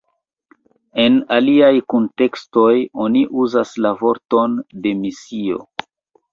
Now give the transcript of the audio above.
En aliaj kuntekstoj oni uzas la vorton "demisio".